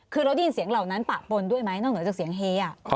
คือเราได้ยินเสียงเหล่านั้นปะปนด้วยไหมนอกเหนือจากเสียงเฮ